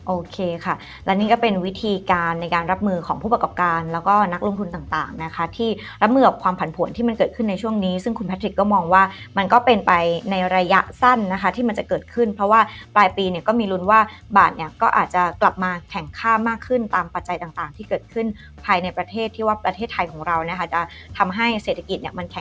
โอเคค่ะและนี่ก็เป็นวิธีการในการรับมือของผู้ประกอบการแล้วก็นักลงทุนต่างนะคะที่รับมือกับความผันผลที่มันเกิดขึ้นในช่วงนี้ซึ่งคุณแพทริกก็มองว่ามันก็เป็นไปในระยะสั้นนะคะที่มันจะเกิดขึ้นเพราะว่าปลายปีเนี่ยก็มีรุนว่าบาทเนี่ยก็อาจจะกลับมาแข็งค่ามากขึ้นตามปัจจัยต่างที่